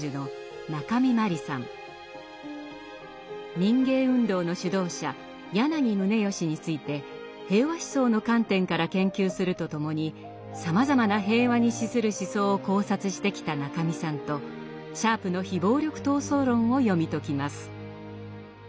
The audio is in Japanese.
民藝運動の主導者柳宗悦について平和思想の観点から研究するとともにさまざまな平和に資する思想を考察してきた中見さんとシャープの非暴力闘争論を読み解きます。